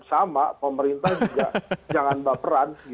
sama pemerintah juga jangan baperan